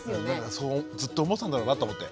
そうずっと思ってたんだろうなと思って。